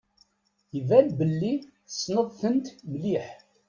Iban belli tessneḍ-tent mliḥ.